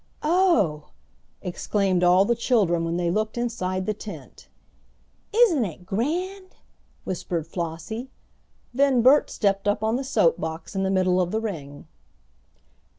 "Oh!" exclaimed all the children when they looked inside the tent. "Isn't it grand!" whispered Flossie. Then Bert stepped up on the soap box in the middle of the ring.